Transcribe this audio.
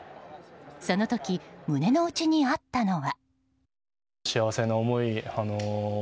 その時、胸の内にあったのは。